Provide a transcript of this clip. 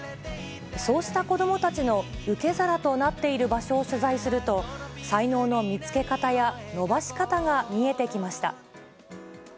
そうした子どもたちの受け皿となっている場所を取材すると、才能の見つけ方や伸ばし方が見えてきました。